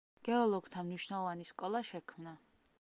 გეოლოგთა მნიშვნელოვანი სკოლა შექმნა.